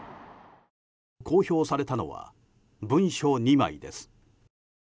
公表されたのは文書２枚です。